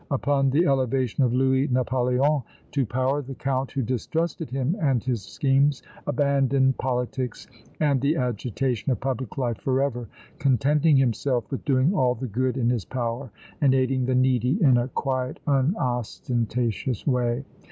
Upon the elevation of Louis Napoleon to power the Count, who distrusted him and his schemes, abandoned politics and the agitation of public life forever, contenting himself with doing all the good in his power and aiding the needy in a quiet, unostentatious way.